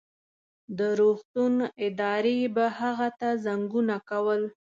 د روغتون ادارې به هغه ته زنګونه کول.